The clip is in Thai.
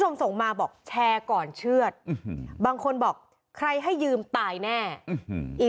ส่งมาบอกแชร์ก่อนเชื่อดบางคนบอกใครให้ยืมตายแน่อี